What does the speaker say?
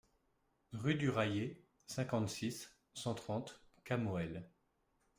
Rue du Raillé, cinquante-six, cent trente Camoël